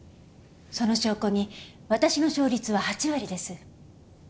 その証拠に私の勝率は８割です。